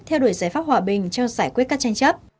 theo đuổi giải pháp hòa bình cho giải quyết các tranh chấp